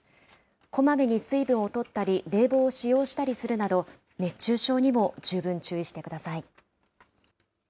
こまめに水分をとったり、冷房を使用したりするなど、熱中症にも十分注意してください。